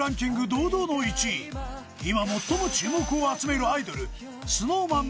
堂々の１位今最も注目を集めるアイドルＳｎｏｗＭａｎ